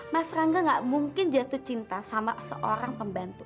mas rangga gak mungkin jatuh cinta sama seorang pembantu